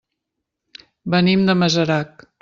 Venim de Masarac.